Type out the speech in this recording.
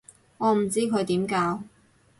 我唔知佢點教